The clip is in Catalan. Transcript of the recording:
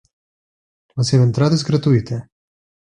La seva entrada és gratuïta.